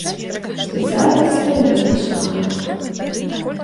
Спецыяльнасцяў у мяне шмат.